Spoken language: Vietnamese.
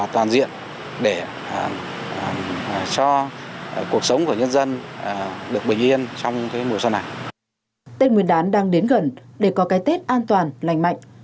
tết nguyên đán đang đến gần để có cái tết an toàn lành mạnh